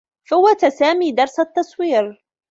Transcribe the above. فوّت سامي درس التّصوير.